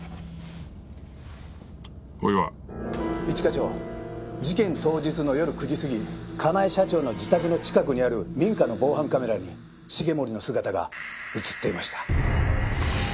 一課長事件当日の夜９時過ぎ香奈恵社長の自宅の近くにある民家の防犯カメラに重森の姿が映っていました。